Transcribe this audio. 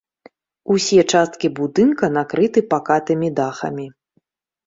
Усе часткі будынка накрыты пакатымі дахамі.